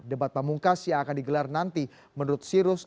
debat pamungkas yang akan digelar nanti menurut sirus